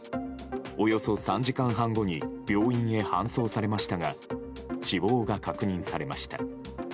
およそ３時間半後に病院に搬送されましたが死亡が確認されました。